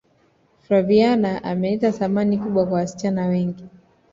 flaviana ameleta thamani kubwa kwa wasichana wengi